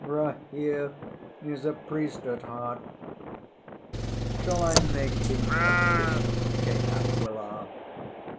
ŌĆ£Rahere is a priest at heart. Shall I make him a bishop, De Aquila?